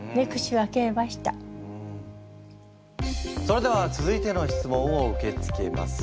それでは続いての質問を受け付けます。